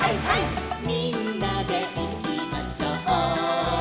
「みんなでいきましょう」